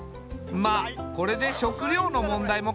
まあこれで食料の問題も解決だな。